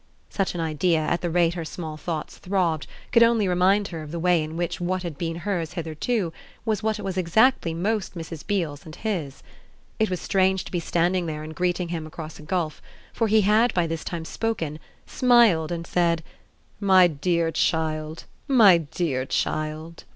Such an idea, at the rate her small thoughts throbbed, could only remind her of the way in which what had been hers hitherto was what was exactly most Mrs. Beale's and his. It was strange to be standing there and greeting him across a gulf, for he had by this time spoken, smiled and said: "My dear child, my dear child!"